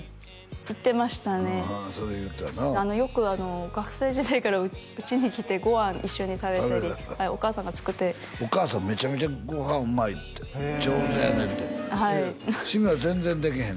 言ってましたねああそれ言ってたなよく学生時代からうちに来てご飯一緒に食べたりお母さんが作ってお母さんめちゃめちゃご飯うまいって上手やねんてはいシムは全然できへんな？